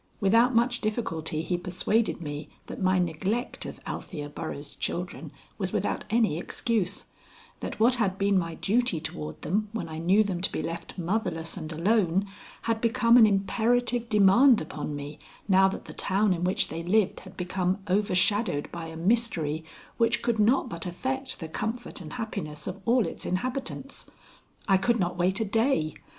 Without much difficulty he persuaded me that my neglect of Althea Burroughs' children was without any excuse; that what had been my duty toward them when I knew them to be left motherless and alone, had become an imperative demand upon me now that the town in which they lived had become overshadowed by a mystery which could not but affect the comfort and happiness of all its inhabitants. I could not wait a day.